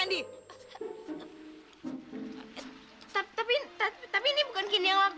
lihat dia udah jadi anak yang baik